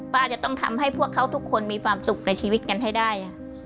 ป้าจะต้องทำให้พวกเขาทุกคนมีความสุขในชีวิตกันให้ได้